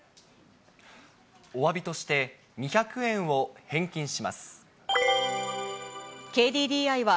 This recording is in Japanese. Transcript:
おわびとして、２００円を返ＫＤＤＩは、